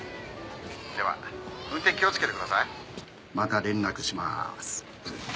「では運転気をつけてください」また連絡しまーす。